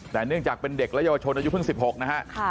แต่เนื่องจากเป็นเด็กและเยาวชนอายุเพิ่ง๑๖นะฮะ